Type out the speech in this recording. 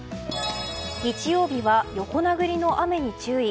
日曜日は横殴りの雨に注意。